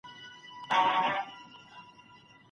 بېځايه دودونه د کورنيو اقتصاد ته زيان رسوي.